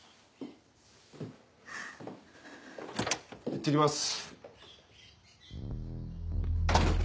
いってきます。